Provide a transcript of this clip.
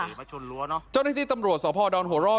ค่ะมาชนลัวเนอะเจ้าในที่ตำรวจส่อพอดอนหัวรอก